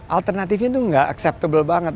alternatifnya itu enggak acceptable banget